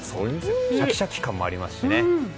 シャキシャキ感もありますしね。